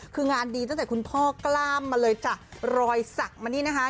คืองานดีตั้งแต่คุณพ่อกล้ามมาเลยจ้ะรอยสักมานี่นะคะ